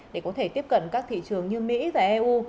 để có thể tiếp cận các thị trường như mỹ và eu